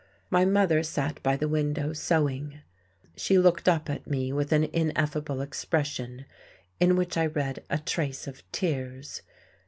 My mother sat by the window, sewing. She looked up at me with an ineffable expression, in which I read a trace of tears.